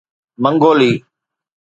منگولي